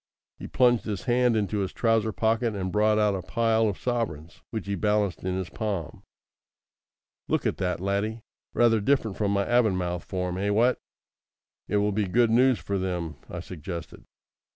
He plunged his hand into his trouser pocket and brought out a pile of sovereigns, which he balanced in his palm. "Look at that, laddie. Rather different from my Avonmouth form, eh? What?" "It will be good news for them," I suggested.